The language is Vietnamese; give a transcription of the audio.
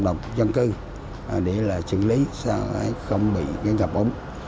đồng độc dân cư để là xử lý sao lại không bị gây thập ống